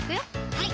はい